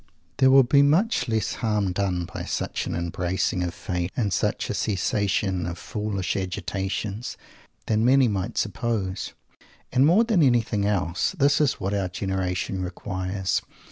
There will be much less harm done by such an embracing of Fate, and such a cessation of foolish agitations, than many might suppose. And more than anything else, this is what our generation requires!